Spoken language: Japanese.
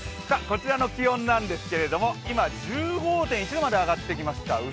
こちらの気温なんですけれども今、１５．１度まで上がってきました。